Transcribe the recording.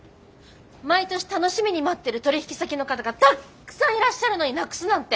毎年楽しみに待ってる取引先の方がたっくさんいらっしゃるのになくすなんて。